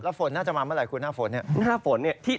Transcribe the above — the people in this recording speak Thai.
แล้วฝนน่าจะมาเมื่อไรคุณหน้าฝนเนี่ย